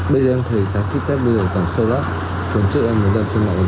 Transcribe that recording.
việc giá kit test biến động từng ngày một phần do nhu cầu của người dân